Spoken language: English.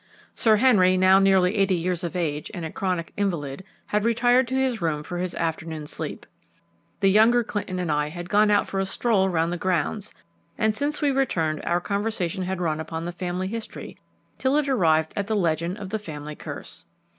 Sir Henry, now nearly eighty years of age and a chronic invalid, had retired to his room for his afternoon sleep. The younger Clinton and I had gone out for a stroll round the grounds, and since we returned our conversation had run upon the family history till it arrived at the legend of the family curse.